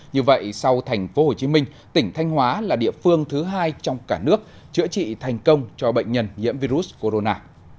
như vậy sau thành phố hồ chí minh tỉnh thanh hóa là địa phương thứ hai trong cả nước chữa trị thành công cho bệnh nhân nhiễm virus corona